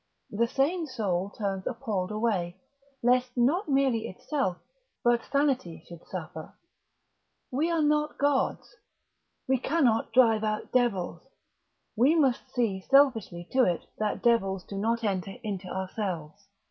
The sane soul turns appalled away, lest not merely itself, but sanity should suffer. We are not gods. We cannot drive out devils. We must see selfishly to it that devils do not enter into ourselves.